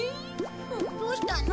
どうしたの？